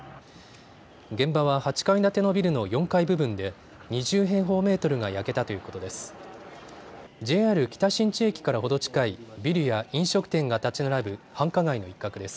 現場は８階建てのビルの４階部分で、２０平方メートルが焼けたということです。